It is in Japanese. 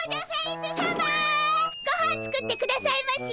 ごはん作ってくださいまし！